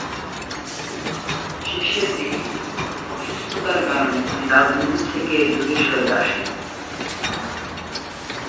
শেষের দিকে অসুস্থতার কারণে তিনি রাজনীতি থেকে দূরে সরে আসেন।